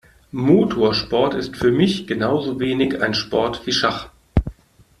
Motorsport ist für mich genauso wenig ein Sport wie Schach.